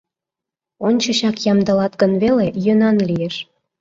Ончычак ямдылат гын веле йӧнан лиеш.